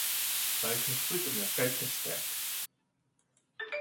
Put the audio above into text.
Buig jou voet om jou kuit te strek.